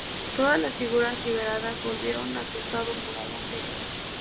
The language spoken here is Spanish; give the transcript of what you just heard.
Todas las figuras liberadas volvieron a su estado mural anterior.